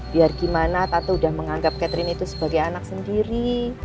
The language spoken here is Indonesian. biar gimana tata udah menganggap catherine itu sebagai anak sendiri